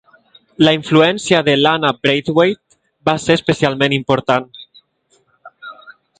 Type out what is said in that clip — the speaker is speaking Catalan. La influència de l'Anna Braithwaite va ser especialment important.